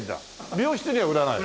美容室には売らないの？